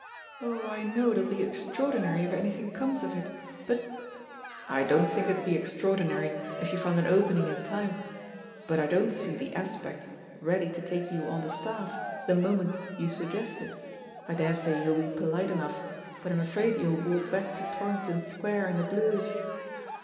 Oh, I know it'll be extraordinary if anything comes of it I But ^" "I don't think it'd be extraordinary if you found an opening in time, but I don't see The, Aspect ready to take you on the staff the mo ment you suggest it. I daresay he'll be polite enough, but I'm afraid you'll walk back to Tor rington Square in the blues."